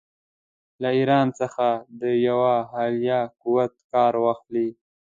له ایران څخه د یوه حایل قوت کار واخلي.